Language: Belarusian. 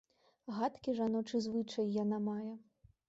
Гадкі жаночы звычай яна мае.